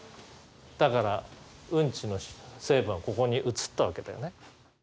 だからうんちの成分はここに移ったわけだよね。